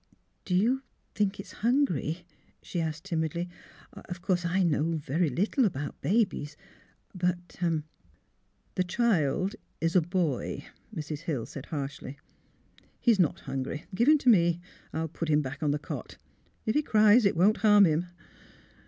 '' Do you think Is it hungry! " she asked, timidly. " I — of course I know very little about babies; but "" The child — is a boy," Mrs. Hill said, harshly. '' He is not hungry. Give him to me. I'll put him back on the cot. If he cries, it will not harm him."